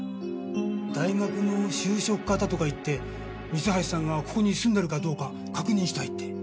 大学の就職科だとか言って三橋さんがここに住んでるかどうか確認したいって。